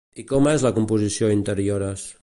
I com és la composició Interiores?